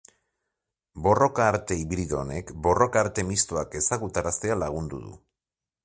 Borroka arte hibrido honek borroka arte mistoak ezagutaraztea lagundu du.